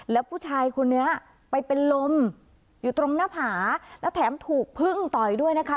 แล้วผู้ชายคนนี้ไปเป็นลมอยู่ตรงหน้าผาและแถมถูกพึ่งต่อยด้วยนะคะ